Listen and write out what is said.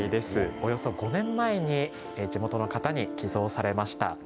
およそ５年前に地元の方に寄贈されました。